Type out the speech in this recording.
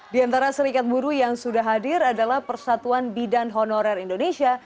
di antara serikat buruh yang sudah hadir adalah persatuan bidan honorer indonesia